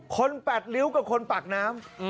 คนแปดลิ้วกับคนปากน้ำ